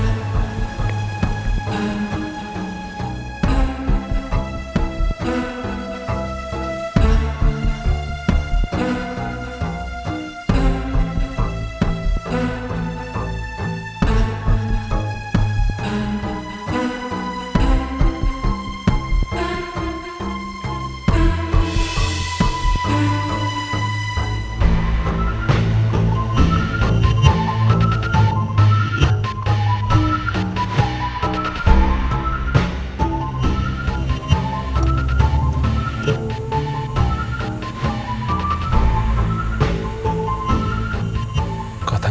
itu pak sam